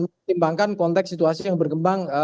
mempertimbangkan konteks situasi yang berkembang